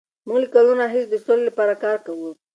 موږ له کلونو راهیسې د سولې لپاره کار کوو.